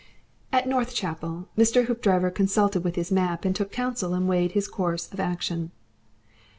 At Northchapel Mr. Hoopdriver consulted his map and took counsel and weighed his course of action.